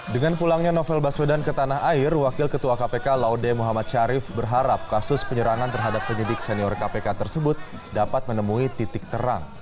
dengan pulangnya novel baswedan ke tanah air wakil ketua kpk laude muhammad syarif berharap kasus penyerangan terhadap penyidik senior kpk tersebut dapat menemui titik terang